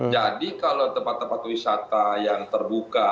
kalau tempat tempat wisata yang terbuka